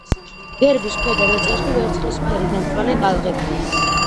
გერბის ქვედა ნაწილში ვერცხლისფერი და მწვანე ტალღებია.